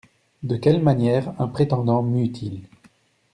De quelle manière un prétendant mue-t-il?